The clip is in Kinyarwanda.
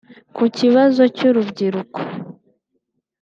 Ku kibazo cy’urubyiruko